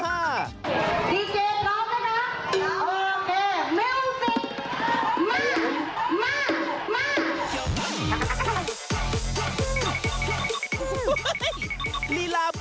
จีไจก็นะโอเคมิวสิค